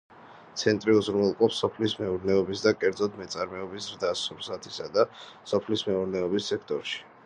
ცენტრი უზრუნველყოფს სოფლის მეურნეობის და კერძოდ მეწარმეობის ზრდას, სურსათისა და სოფლის მეურნეობის სექტორში.